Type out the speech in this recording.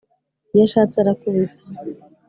Iyo ashatse arakubita.